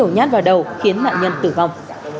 nhát vào đầu khiến nạn nhân tử vong